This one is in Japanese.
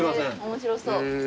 面白そう。